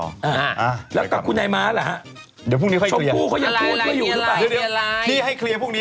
แล้วกับคุณนายม้าเหรอฮะชมพูเขายังพูดไว้อยู่หรือเปล่าเดี๋ยวพี่ให้เคลียร์พวกนี้